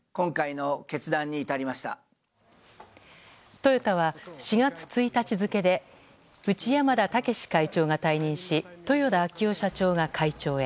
トヨタは４月１日付で内山田竹志会長が退任し豊田章男社長が会長へ。